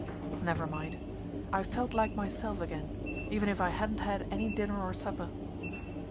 Never mind. I felt like myself again, even if I hadn't had any dinner or supper.